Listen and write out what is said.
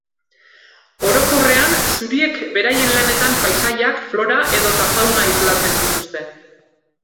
Orokorrean, zuriek beraien lanetan paisaiak, flora edota fauna islatzen dituzte.